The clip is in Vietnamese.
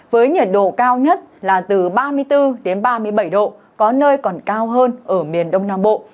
với nhiệt độ cao nhất là từ ba mươi bốn ba mươi bảy độ có nơi còn cao hơn ở miền đông nam bộ